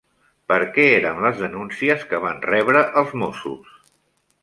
Per què eren les denúncies que van rebre els Mossos?